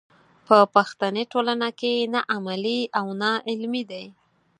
په پښتني ټولنه کې نه عملي او نه علمي دی.